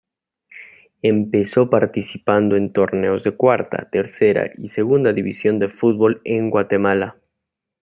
Empezó participando en torneos de cuarta, tercera y segunda división de fútbol en Guatemala.